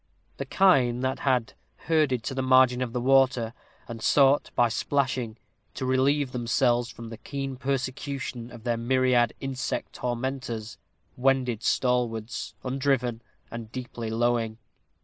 The kine that had herded to the margin of the water, and sought, by splashing, to relieve themselves from the keen persecution of their myriad insect tormentors, wended stallwards, undriven, and deeply lowing.